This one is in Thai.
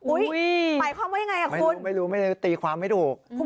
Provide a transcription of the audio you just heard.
อุ๊ยหมายความว่าอย่างไรคุณไม่รู้ตีความไม่ถูก